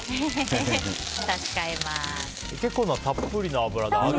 結構たっぷりな油で。